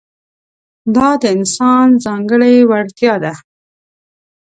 دا د انسان ځانګړې وړتیا ده.